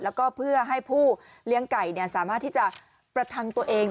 แล้วก็เพื่อให้ผู้เลี้ยงไก่สามารถที่จะประทังตัวเอง